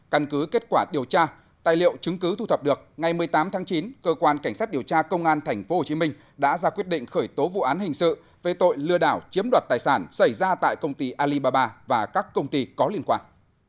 căn cứ kết quả điều tra tài liệu chứng cứ thu thập được ngày một mươi tám tháng chín cơ quan cảnh sát điều tra công an tp hcm đã ra quyết định khởi tố vụ án hình sự về tội lừa đảo chiếm đoạt tài sản xảy ra tại công ty alibaba và các công ty có liên quan